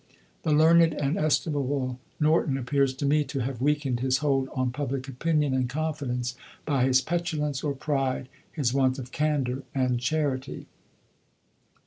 "The learned and estimable Norton appears to me to have weakened his hold on public opinion and confidence by his petulance or pride, his want of candor and charity."